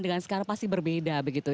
dengan sekarang pasti berbeda